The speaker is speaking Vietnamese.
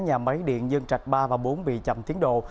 nhà máy điện dân trạch ba và bốn bị chậm tiến độ